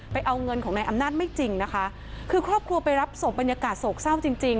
เอาเงินของนายอำนาจไม่จริงนะคะคือครอบครัวไปรับศพบรรยากาศโศกเศร้าจริงจริง